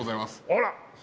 あら！